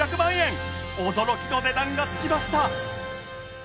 驚きの値段がつきました。